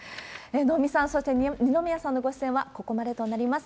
能見さん、そして二宮さんのご出演はここまでとなります。